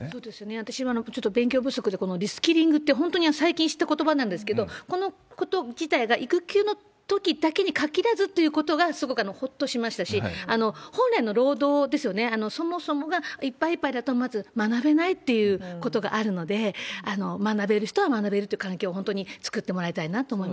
私、ちょっと勉強不足で、このリスキリングって、本当に最近知ったことばなんですけれども、このこと自体が育休のときだけに限らずということが、すごくほっとしましたし、本来の労働ですよね、そもそもがいっぱいいっぱいだと、まず学べないってことがあるので、学べる人は学べるという環境を本当に作ってもらいたいなと思いま